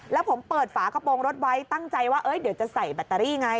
แล้วผมเปิดฝากระโปรงรถไว้ตั้งใจว่าเดี๋ยวจะใส่แบตเตอรี่ไง